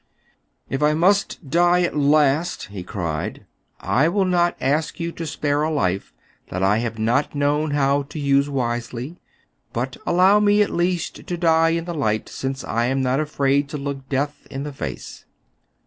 " If I must die at last !he cried, " I will not ask you to spare a life that I have not known how to use wisely, but allow me at least to die in the light, since I am not afraid to look death in the face."